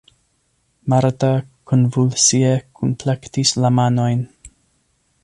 Marta konvulsie kunplektis la manojn.